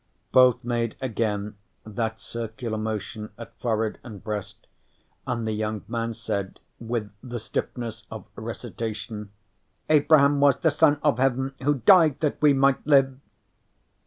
Both made again that circular motion at forehead and breast, and the young man said with the stiffness of recitation: "Abraham was the Son of Heaven, who died that we might live."